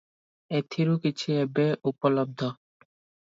ଏଥିରୁ କିଛି ଏବେ ଉପଲବ୍ଧ ।